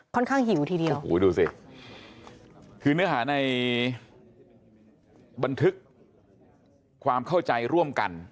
ข้างหิวทีเดียวโอ้โหดูสิคือเนื้อหาในบันทึกความเข้าใจร่วมกัน